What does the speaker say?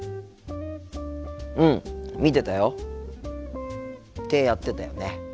うん見てたよ。ってやってたよね。